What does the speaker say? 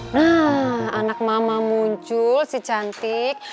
nah anak mama muncul si cantik